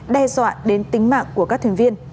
đe dọa đến tính mạng